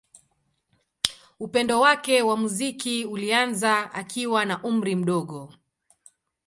Upendo wake wa muziki ulianza akiwa na umri mdogo.